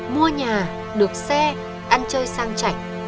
mua nhà được xe ăn chơi sang chảnh